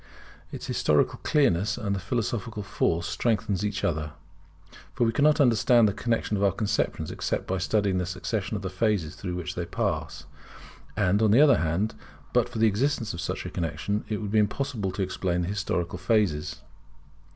Its historical clearness and its philosophical force strengthen each other, for we cannot understand the connexion of our conceptions except by studying the succession of the phases through which they pass. And on the other hand, but for the existence of such a connexion, it would be impossible to explain the historical phases.